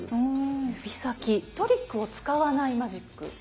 トリックを使わないマジック？